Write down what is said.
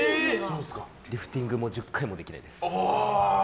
リフティングも１０回もできないです。